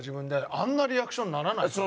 あんなリアクションにならないから。